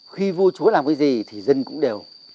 khi vua chúa làm cái gì thì dân cũng đều